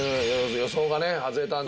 予想がね外れたんで。